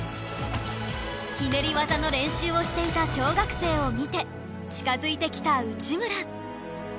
ひねり技の練習をしていた小学生を見て近付いてきた内村